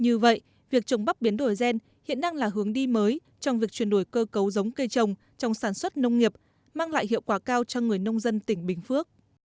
như vậy việc trồng bắp biến đổi gen hiện đang là hướng đi mới trong việc chuyển đổi cơ cấu giống cây trồng trong sản xuất nông nghiệp mang lại hiệu quả cao cho người nông dân tỉnh bình phước